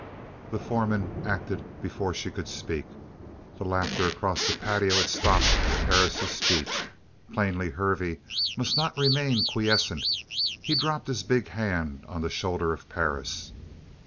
The foreman acted before she could speak. The laughter across the patio had stopped at Perris' speech; plainly Hervey must not remain quiescent. He dropped his big hand on the shoulder of Perris.